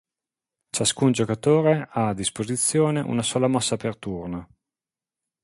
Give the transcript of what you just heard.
Ciascun giocatore ha a disposizione una sola mossa per turno.